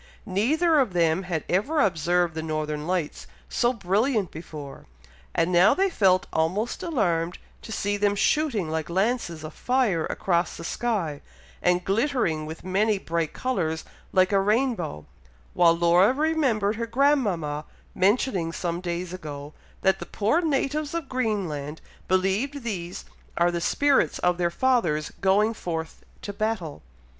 Neither of them had ever observed the Northern Lights so brilliant before, and now they felt almost alarmed to see them shooting like lances of fire across the sky, and glittering with many bright colours, like a rainbow, while Laura remembered her grandmama mentioning some days ago, that the poor natives of Greenland believe these are the spirits of their fathers going forth to battle.